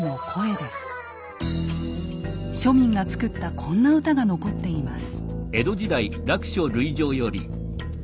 庶民が作ったこんな歌が残っています。